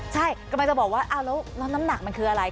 ใช่กำลังจะบอกว่าแล้วน้ำหนักมันคืออะไร